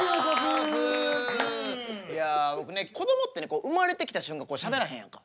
いや僕ねこどもってね生まれてきた瞬間しゃべらへんやんか。